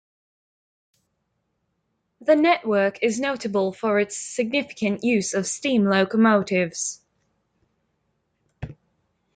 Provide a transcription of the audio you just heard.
The network is notable for its significant use of steam locomotives.